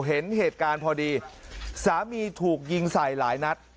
เห็นเหตุการณ์พอดีสามีถูกยิงใส่หลายนัด